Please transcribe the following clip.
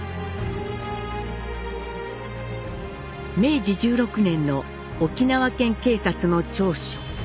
明治１６年の沖縄県警察の調書。